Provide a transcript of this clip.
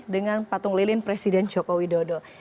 dengan patung lilin presiden jokowi dodo